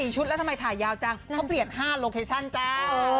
ชุดแล้วทำไมถ่ายยาวจังเขาเปลี่ยน๕โลเคชั่นจ้า